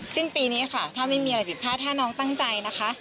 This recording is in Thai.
สิ้นปีนี้ค่ะถ้าไม่มีอะไรผิดพลาดถ้าน้องตั้งใจนะคะ